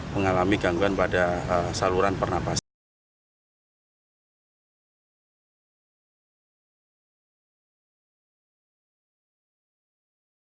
kondisi air kurang lebih delapan puluh cc mililiter